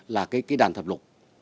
là cái đàn thập lục